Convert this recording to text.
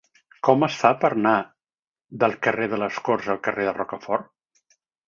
Com es fa per anar del carrer de les Corts al carrer de Rocafort?